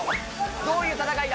どういう戦いだ。